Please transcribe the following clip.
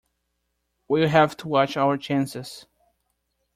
We'll have to watch our chances.